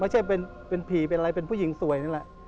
ไม่ใช่เป็นผีเป็นอะไรเป็นผู้หญิงสวยนั่นแหละ